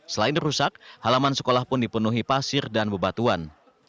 selain rusak halaman sekolah pun dipenuhi pasir dan bebatuan